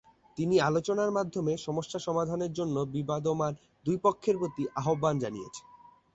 তিনি আলোচনার মাধ্যমে সমস্যা সমাধানের জন্য বিবদমান দুই পক্ষের প্রতি আহ্বান জানিয়েছেন।